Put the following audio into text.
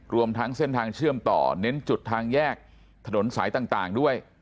รวมทั้งเส้นทางเชื่อมต่อเน้นจุดทางแยกถนนสายต่างด้วย